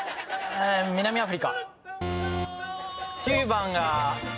９番が。